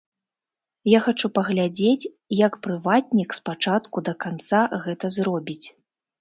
Я хачу паглядзець, як прыватнік з пачатку да канца гэта зробіць.